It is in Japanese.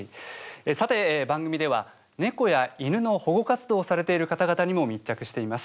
さて番組では猫や犬の保護活動をされている方々にも密着しています。